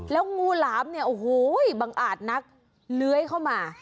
แล้วงูหลามเนี่ยโอ้โหบังอาจนักเลื้อยเข้ามา